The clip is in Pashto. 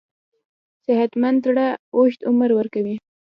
صحتمند زړه اوږد عمر ورکوي.